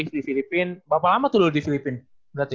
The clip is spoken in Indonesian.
di filipina berapa lama tuh di filipina berarti